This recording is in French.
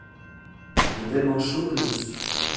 J’ai tellement chaud que je sue.